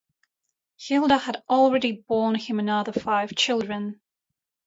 Hilda had already borne him another five children.